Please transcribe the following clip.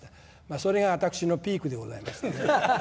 それが私のピークでございましたね。